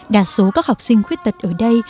đa số các học sinh khuyết tật ở đây